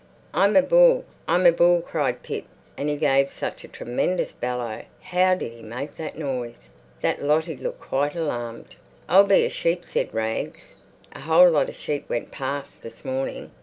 "I'm a bull, I'm a bull!" cried Pip. And he gave such a tremendous bellow—how did he make that noise?—that Lottie looked quite alarmed. "I'll be a sheep," said little Rags. "A whole lot of sheep went past this morning."